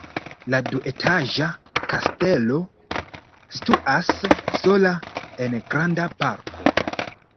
La duetaĝa kastelo situas sola en granda parko.